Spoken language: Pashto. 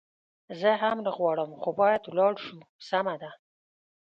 زه هم نه غواړم، خو باید ولاړ شو، سمه ده.